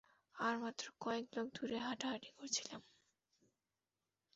আমরা মাত্র কয়েক ব্লক দূরে হাঁটাহাঁটি করছিলাম।